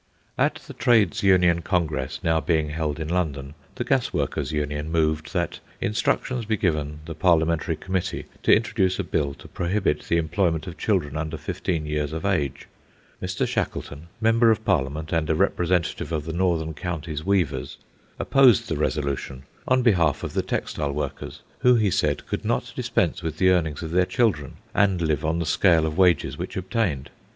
At the Trades Union Congress now being held in London, the Gasworkers' Union moved that instructions be given the Parliamentary Committee to introduce a Bill to prohibit the employment of children under fifteen years of age. Mr. Shackleton, Member of Parliament and a representative of the Northern Counties Weavers, opposed the resolution on behalf of the textile workers, who, he said, could not dispense with the earnings of their children and live on the scale of wages which obtained.